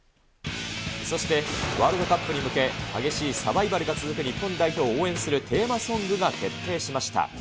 そして、ワールドカップに向け、激しいサバイバルが続く日本代表を応援するテーマソングが決定しました。